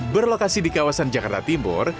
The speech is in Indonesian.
berlokasi di kawasan jakarta timur